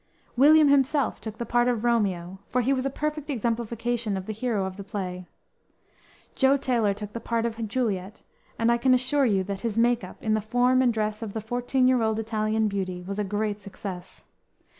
William himself took the part of Romeo, for he was a perfect exemplification of the hero of the play. Jo Taylor took the part of Juliet, and I can assure you that his makeup, in the form and dress of the fourteen year old Italian beauty, was a great success.